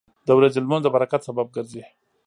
• د ورځې لمونځ د برکت سبب ګرځي.